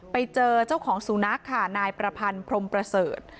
ไปเจอเจ้าของสุนัขค่ะนายประพันธ์พรมประเสริฐ